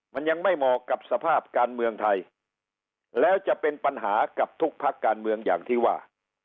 มันยังไม่เหมาะกับสภาพการเมืองไทยแล้วจะเป็นปัญหากับทุกพักการเมืองอย่างที่ว่า